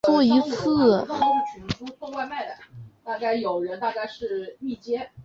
指令按顺序从原指令集翻译为目标指令集。